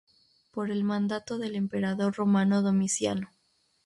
Por el mandato del emperador romano Domiciano.